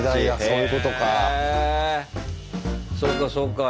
そうかそうか。